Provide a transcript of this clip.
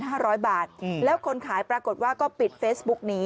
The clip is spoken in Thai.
ห้าร้อยบาทอืมแล้วคนขายปรากฏว่าก็ปิดเฟซบุ๊กหนี